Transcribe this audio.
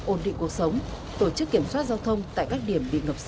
ổn định cuộc sống tổ chức kiểm soát giao thông tại các điểm bị ngập sâu chia cắt